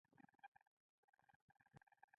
لومړي غړي د اشرافو میراثي طبقه وه.